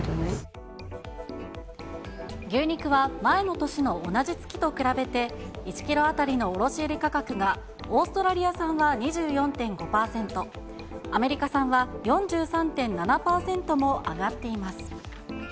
牛肉は、前の年の同じ月と比べて１キロ当たりの卸売価格がオーストラリア産は２４．５％、アメリカ産は４３．７％も上がっています。